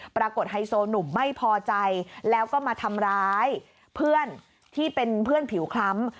ไฮโซหนุ่มไม่พอใจแล้วก็มาทำร้ายเพื่อนที่เป็นเพื่อนผิวคล้ำ